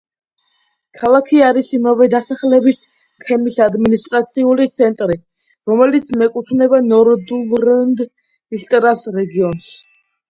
ქალაქი არის იმავე დასახელების თემის ადმინისტრაციული ცენტრი, რომელიც მიეკუთვნება ნორდურლენდ ისტრას რეგიონს.